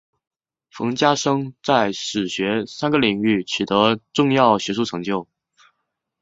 冯家升在史学三个领域取得重要学术成就。